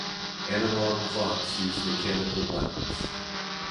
Analog clocks use mechanical buttons.